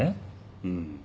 うん。